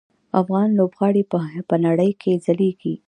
افغان لوبغاړي په نړۍ کې ځلیږي.